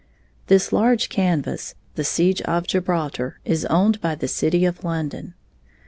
This large canvas, "The Siege of Gibraltar", is owned by the city of London.